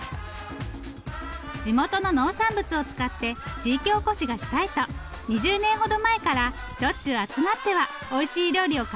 地元の農産物を使って地域おこしがしたいと２０年ほど前からしょっちゅう集まってはおいしい料理を考えているんだそうです。